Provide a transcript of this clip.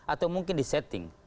atau mungkin disetting